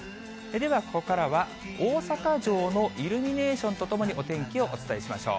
では、ここからは大阪城のイルミネーションとともにお天気をお伝えしましょう。